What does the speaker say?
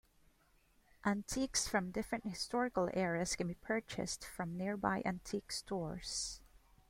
Antiques from different historical eras can be purchased from nearby antique stores.